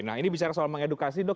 nah ini bicara soal mengedukasi dok